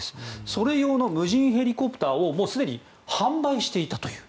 それ用の無人ヘリコプターをすでに販売していたという。